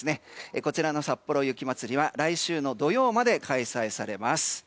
こちらのさっぽろ雪まつりは来週の土曜まで開催されます。